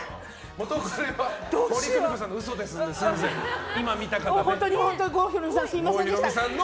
元カレは森公美子さんの嘘ですので、すみません。